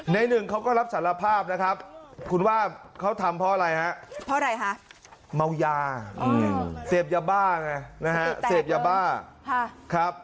นายหนึ่งเขาก็รับสารภาพนะครับ